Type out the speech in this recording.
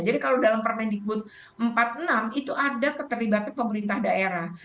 jadi kalau dalam permendikbud empat puluh enam itu ada keterlibatan pemerintah daerah